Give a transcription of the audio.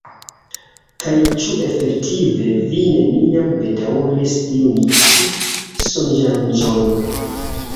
Kaj ĉu efektive vi neniam bedaŭris tiun ĉi sonĝaĵon?